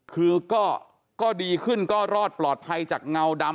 คือก็ดีขึ้นก็รอดปลอดภัยจากเงาดำ